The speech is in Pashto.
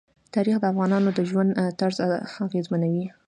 تاریخ د افغانانو د ژوند طرز اغېزمنوي.